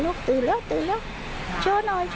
ลองไปดูบรรยากาศช่วงนั้นนะคะ